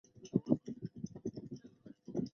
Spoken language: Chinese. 乾隆五十八年癸丑科三甲第三十四名进士。